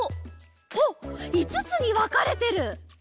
おっいつつにわかれてる！